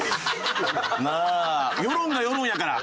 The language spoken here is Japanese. まあ世論が世論やから。